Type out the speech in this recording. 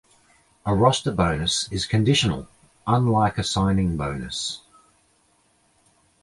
A roster bonus is conditional, unlike a signing bonus.